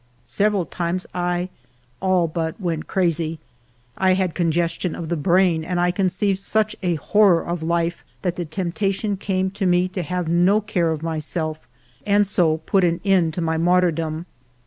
Several times I all but went crazy ; I had conges tion of the brain, and I conceived such a horror of life that the temptation came to me to have no care of myself and so put an end to my martyr dom.